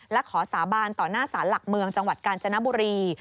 และขอสาบานต่อหน้าศาลหลักเมืองจังหวัดกาญจนบุรี